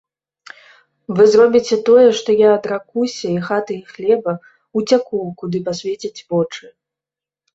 Вы зробіце тое, што я адракуся і хаты і хлеба, уцяку, куды пасвецяць вочы.